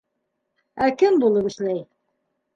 Ә кем булып эшләй?